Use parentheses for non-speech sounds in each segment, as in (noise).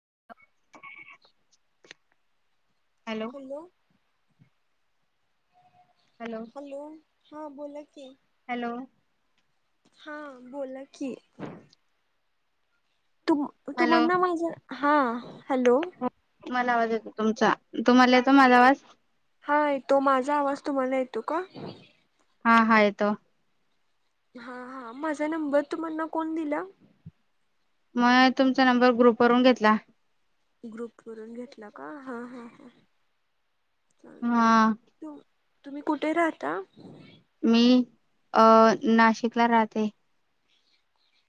(unintelligible) Hello. Hello हा बोला की. हॅलो. हा बोला की. तु-तु हॅलो म्हणना माझ हा हॅलो. मला आवाज येतो तुमचा, तुम्हाला येतो मला आवाज? हा येतो, माझा आवाज तुम्हाला येतो का? हा-हा येतो. हा-हा माझा नंबर तुम्हांना कोण दिलं? म तुमचा नंबर ग्रुपवरून घेतला. ग्रुप करून घेतला का? हा-हा-हा चाल हा तु-तुम्ही कुठे राहता? मी अं नाशिकला राहते.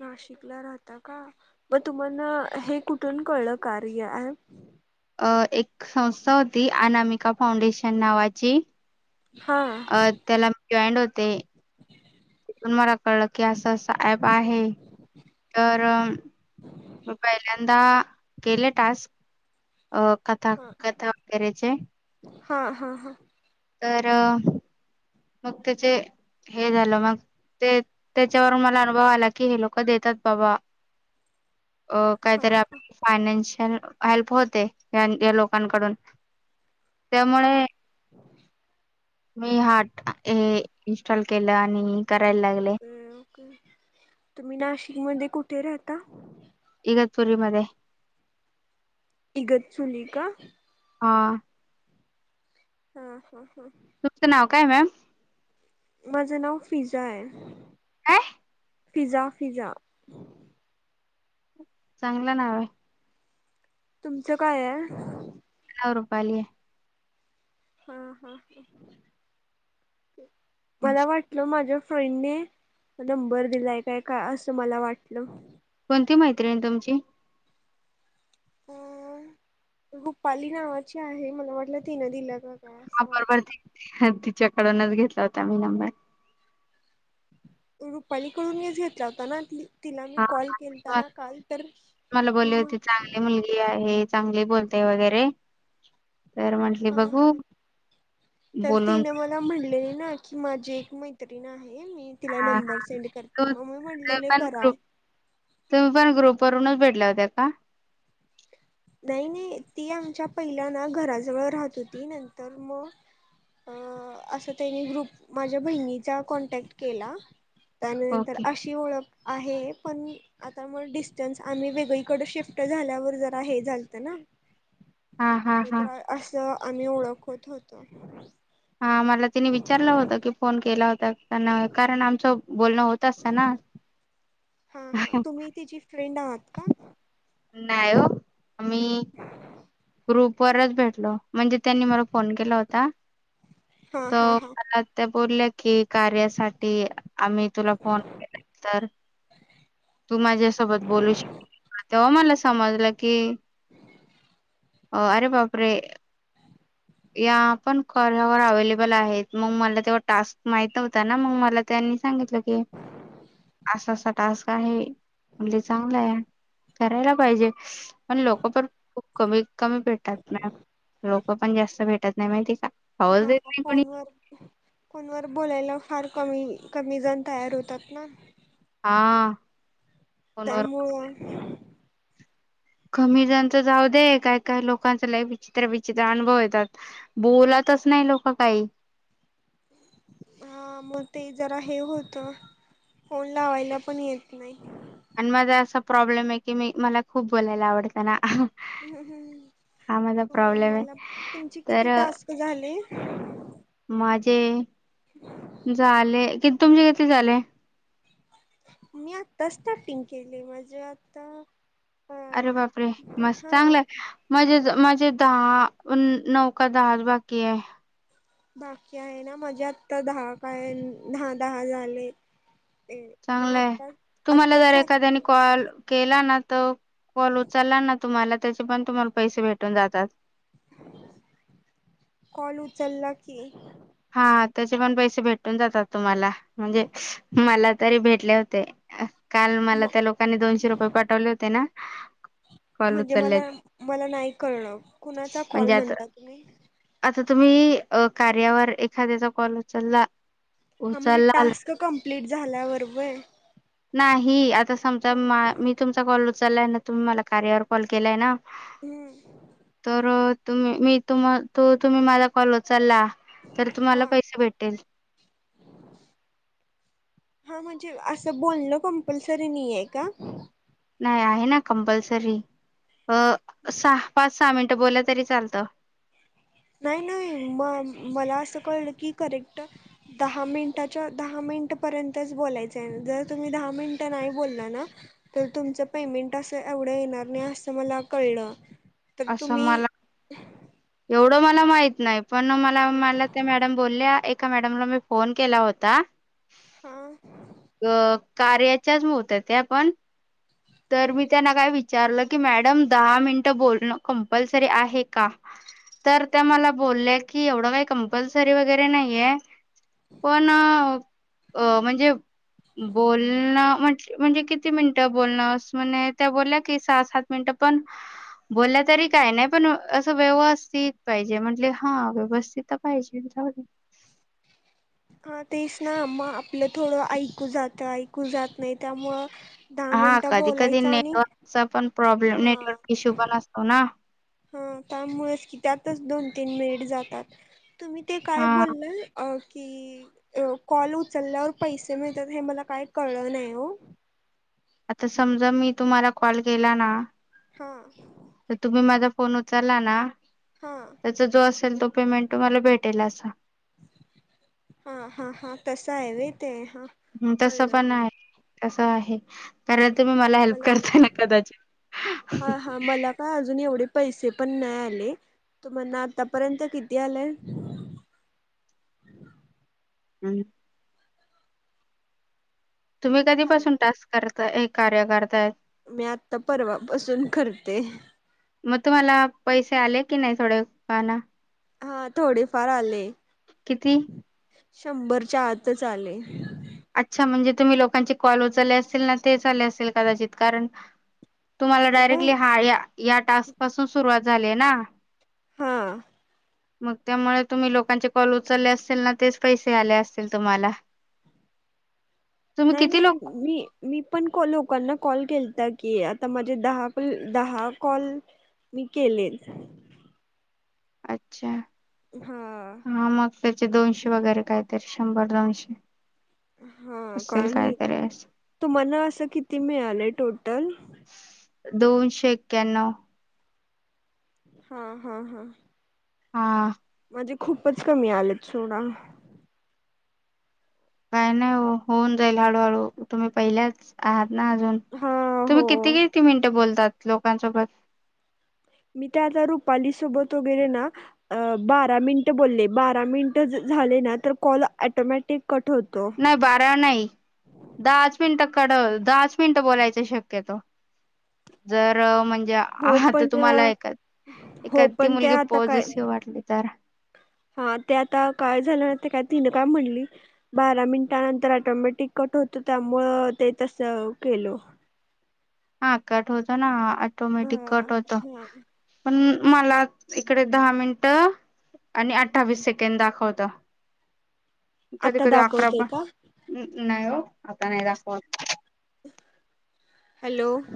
नाशिकला राहता का, मग तुम्हाला हे कुठून कळलं कार्य ॲ? अ एक संस्था होती अनामिका फाउंडेशन नावाची हा अ त्याला मी जॉईंड होते, मला कळलं की असं-असं ऍप आहे तर म पहिल्यांदा केले टास्क? अ कथा-कथा गैरेचे. हा-हा-हा तर मग त्याचे हे झालं मग ते त्याच्यावरून मला अनुभव आला की हे लोक देतात बाबा अ हा काहीतरी आप फायनान्शी हेल्प होते या लोकांकडून हा त्यामुळे मी हाट हे इन्स्टॉल केलं आणि करायला लागले ओके-ओके तुम्ही नाशिक मध्ये कुठे राहता? इगतपुरी मध्ये. इगतचुली का? हा हं-हं -हं तुमचं नाव काय मॅम माझं नाव फिजा आहे ह फिजा, फिजा. चांगलं नाव आहे. तुमचं काय आहे? रुपाली आहे हा हा मला वाटलं माझ फ्रेंड ने नंबर दिलाय काय का असं मला वाटलं. कोणती मैत्रीण तुमची अ रुपाली नावाची आहे मला वाटलं तिनं दिला ह बरोबर तिच्याकडूनच घेतला होता मी नंबर. रुपालीकडून येच घेतला होता ना तिला मी हा कॉल मला केलताना काल तर मला बोलली ती होती चांगली म्ह मुलगी आहे चांगली बोलते वगैरे तर म्हंटली हा बघू हा तर बोलून तिने मला म्हणलेली ना की माझी मैत्रीिण आहे मी तिला हा नंबर सेंड ह करते मग मी त म्हणलेले पण करा ग्रुप तुमही पण ग्रुप वूनच भेट लवद्या का नाही, नाही, ती आमच्या पहिला ना घराजवळ राहत होती नंतर म अ असं त्यांनी ग्रुप माझ्या बहिणीचा कॉन्टॅक्ट केला त्यानंतर ओके. अशी ओळख आहे पण आता मग डिस्टन्स आम्ही वेगळीकडें शिफ्ट झाल्यावर जा हे झालत ना हां, हां, ते तर हां. अस. आम्ही ओळ खत होतो. हा मला तिने विचारलं होत की फोन केला होता ना कारण आमचं बोलणं होत असत ना हा हा तुम्ही तीची फ्रेंड आहात का? नाही हो मी ग्रुप वरच भेटलो म्हणजे त्यांनी म फोन केला होता हा हा तर हा म बोललं की कार्यासाठी आम्ही तुला फोन केला तर तू माझ्यासोबत बोलू शक तेव्हा मला समजलं की हो अरे बापरे या पण कार्यावर अवेलेबल आहेत मग मला तेव्हा टास्क माहित न्हता ना मग मला त्यांनी सांगितलं की असा असा टास्क आहे म्हणजे चांगला आहे करायला पाहिजे पण लोक पण खूप कमी, कमी, भेटातात ना लोक पण जास्त भेटत नाही माहिती का? आवाज हा देत नाही कोणी फोनवर फोनवर बोलायला फार कमी कमीजण तयार होतात ना हा फोनवर त्यामुळ. कमी जणच जाऊ दे, काय काय लोकांच ला विचित्र, विचित्र, अनुभव येतात बोलात तस नाही लोक काही (inaudible) ह मग ते जरा हे होत फोन लावायला पण येत नाही आणि माझा असा प्रॉब्लेम आहे की मी मला खूप बोलायला आवडत ना हूं हूं! हा माझा अ प्रॉब्लेम आहे मला तुमची तर किती टास्क झाले (unintelligible) ते झाले कि तुमे किती झाले? मी आता स्टार्टिंग केली म्हणजे आता अ अरे बापरे मस्त हा चांगल हाय मझ माझे दहा नऊ का दहा बाकी आहे बाकी आहे ना मजे आता दहा काय हा दहा झाले मग चांगलंय आता तुम्हाला आत्ताच जर एखाद्याने कॉल केला ना तो कॉल उचलला ना तुम्हाला त्याचे पण तुम्हाला पैसे भेटून जातात कॉल उचलला की हा त्याचे पण पैसे भेटून जातात तुम्हाला म्हणजे मला तरी भेटले होते काल म मला त्या लोकांनी दोनशे रुपये पाठवले होते ना कॉल म्हणजे उचलले मला मला नाही कळ कुणाचा कॉल म्हणजे आता म्हणता तुम्ही आता तुम्ही कार्यावर एखाद्याचा कॉल उचलला हा म्हणजे उचललाल टास्क कम्प्लीट झाल्या वर होय ही आता समजा मा मी तुमचा कॉल उचचाललाय ना तुम्ही मला कार्यावर कॉल केलाय ना तर हम्म तुम्ही मी तुम त तुम्ही माझा कॉल उचला. तर तुम्हाला हा पैसे भेटेल. हा म्हणजे असं बोलल कंपल्सरी नई का? नाय आहे ना कंपल्सरी अ सहा पाच सहा मिनटं बोलल्या तरी चालत. नाही नाही म मला अस कळल की करेक्ट दहा मिनिटाच्या दहा मिनिटपर्यंतच बोलायचं आहे, जर तुम्ही दहा मिनटं नाही बोलल ना तर तुमचं पेमेंट असं एवढं येणार नाही अस मला कळल. तर तुम्ही तेवढ मला माहत नाही पण मला मला ते मॅडम बोलल्या एका मॅडमला मी फोन केला होता. हां क कार्याच्याच होत्या त्या पण तर मी त्यांना काय विच विचारल की मॅडम दहा मिनट बोलण कंपल्सरी आहे का? तर त्या मला बोलले की एवढं काही कंपल्सरी वगैरे नाहीये पण अ म्हणजे बोलणं म्हण म्हणजे किती मिनंट? ब म्ह त्या बोलल्या की सहा सात मिनट पण बोलल्या तरी काही नाही पण अस व्यवस्थित पाहिजे म्हटले हा व्यवस्थित पाहिजे. (inaudible) हा तेच ना म आपल थोड ऐकू जातं ऐकू जात नाही त्यामुळ दहा हा मिनिट कधी कधी बोलायचा आणि नेटवर्कचा पण प्रॉब्लेम हा नेटवर्क इश्यू पण असतो ना हा त्यामुळेच की त्यातच दोन तीन मिनिट जातात. तुम्ही ते काय हा बोललाल अ? कि कॉल उचलल्यावर पैसे मिळतात हे मला काही कळल नाही हो आता समजा मी तुम्हाला कॉल केला ना हा तर तुम्ही माझा फोन उचला ना हा त्याचा जो असेल तो पेमेंट तुम्हाला भेटेल असा हा हा हा तस आहे व ते हा हम् तस कळलं पण कळलं. आहे, तस आहे परत तुम्ही मला हेल्प करता ना कदाचित हा हा मला काय अजून एवढे पैसे पण नाही आले तुमना आतापर्यंत किती आलय? हम हम् तुम्ही कधीपासून टास्क करता हे कार्य करताय? मी आता परवापसून करते. जालय की नाही? थोड पाहण, हा थोडे फार आले किती? शंभरच्या आतच आले. अच्छा म्हणजे तुम्ही लोकांचे कॉल उचलले असेल ना तेच आले असतील कदाचित कारण तुम्हाला डायरेक्टली नाही हा या या टास्क पासून सुरुवात झाली ना?? हा मग त्यामुळे तुम्ही लोकांचे कॉल उचलले असतील ना तेच पैसे आले असतील तुम्हाला. तुम्ही नाही किती नाही लोक मी मी पण लोकल ना कॉल केलाता की आता माझे दहा दहा कॉल मी केलेन अच्छा हा मग त्याचे दोनशे वगैरे काय तर शंभर दोनशे हा असेल काय माहित कायतरी अस तुम्हाला असं किती मिळालंय टोटल? दोनशे एक्याण्णव. हा, हा, हा, हा. म्हणजे खूपच कमी आले सोडा. काय नाही हो होऊन जाईल हळूहळू तुम्ही पहिल्याच आहात. ना अजून हा तुम्ही हो किती किती मिनिटं बोलतात लोकांसोबत. मी ते आता रुपाली सोबत वगैरे ना बारा मिनट बोलले बारा मिनिट झाले ना तर कॉल ॲटोमॅटिक. नाही बारा नाही दहाच मिन टक. दहा च मिनट बोलाय शक्यतो जर महणजे. म्हणजे हो आता पण अ, तुम्हाला ए हो एखा ती पण मुलगी त्या आता काय पॉजिसिव्ह वाटली तर. हा ते आता काय झालं ते काय. तिनं का म्हणली बारा मिनिटानंतर ऑटोमॅटिक कट होत त्यामुळ ते तस हॅलो. हा कट होतो ना हा ऑटोमॅटिक कट होत हा पण मला इकडे दहा मिनिट आणि अठ्ठावीस सेकंड दाखवत कधी आता कधी अकरा दाखवतय का? पण नाही हो आता नाही दाखवत. ह (inaudible)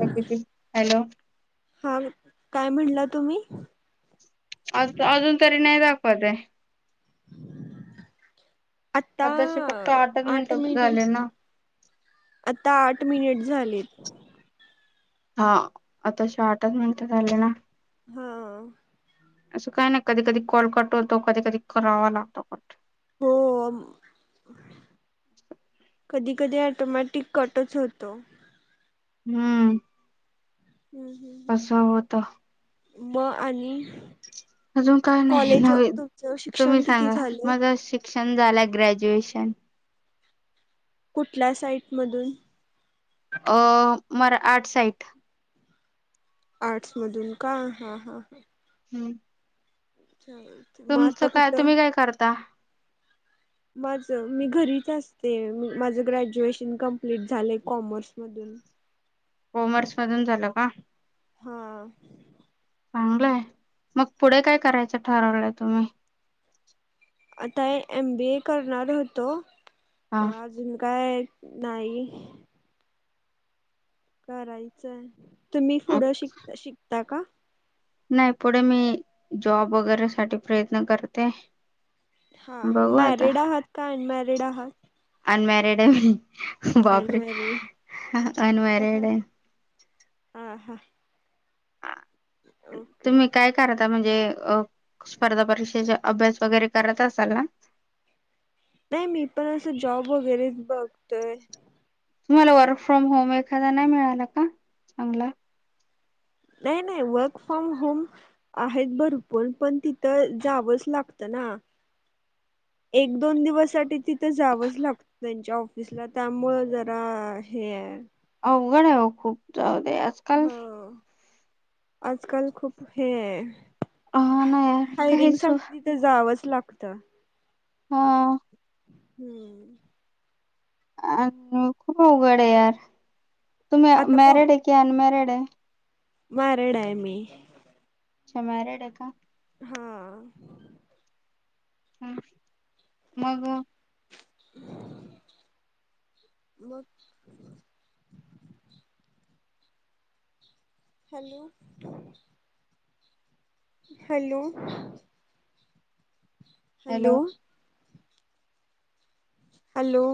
हॅलो. हा काय म्हणलं तुम्ही. पद (inaudible) आता आताशी फक्त आठच आठ मिनिटं मिनि झाले ना आता आठ मिनिट. झालीत. हा आता श आठच मिनिट झाले ना. हा. असं काय नाही कधी कधी कॉल कटवतो कधी कधी करावा लागतो कट. हो. कधी कधी ऑटोमॅटिक कटच होतो. हम्म. हम्म. हम्म, असं होत. मग आणि अजून काय नाही कॉलेज नव् तुमचं तुम्ही शिक्षण किती सांगा झालंय? मझा श शिक्षण झालं ग्रॅज्युएशन. कुठल्या साईटमधून. अ मरा आर्ट साइट आर्ट्स मधून का हा हा ह. हम्म. मग आता तुमचं काय कुठं तुम्ही काय करता. माझं.. मी घरीच असते माझं ग्रॅज्युएशन कंप्लीट झालं कॉमर्स मधून. हम. काॅमर्स मधून झालं का. हा. चांगलंय मग पुढे काय करायचं ठरवलंय तुम्ही. काय एम बी ए करणार होतो हा व अजून काय. नाही. करायचंय तुम्ही पुढं शिकत शिकता का. नाही पुढे मी जॉब वगैरे साठी प्रयत्न करते आहे. हा हा मॅरिड आहात का अनमॅरिड आहात. अनमॅरेड. बापरे अनमॅरिड अनमॅरेड आहे. हा हा आ अ.. ओके तुम्ही काय करता म्हणजे? ते अ स्पर्धा परीक्षाचे अभ्यास वगैरे करत असाल ना. नाही मी पण असं जॉब वगैरेच बघतोय. तुम्हाला वर्क फ्रॉम होम एखादा नाही मिळाला का चांगला? नाही नाही वर्क फ्रॉम होम आहेत भरपूर पण तिथं जावंच लागत ना. रिकामा ऑडिओ एक दोन दिवसासाठी तिथं जावंच लागत त्यांच्या ऑफिसला त्यामुळं जरा हे आहे. अवघड आहे हो खूप जाऊ दे आजकाल.. हो आजकाल खूप हे आहे. हा ना यार हायरिंग काहीच साठी तिथं जावंच लागतं. हा. हम्म. अ ह खूप उघड आहे यार तुम्ही मॅरिड आहे कि अनमॅरिड आहे? मॅरेड आहे मी. अच्छा मॅरेड आहे का? हा. हम मग. रिकामा ऑडिओ मग. हॅलो. Hello hello. हॅलो.